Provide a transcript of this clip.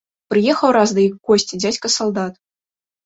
Прыехаў раз да іх у госці дзядзька салдат.